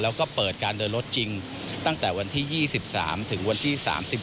แล้วก็เปิดการเดินรถจริงตั้งแต่วันที่๒๓ถึงวันที่๓๑